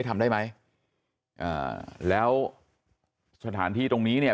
ทำได้ไหมอ่าแล้วสถานที่ตรงนี้เนี่ย